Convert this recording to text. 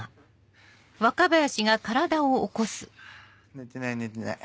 寝てない寝てない。